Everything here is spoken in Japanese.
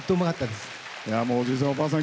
おじいさん、おばあさん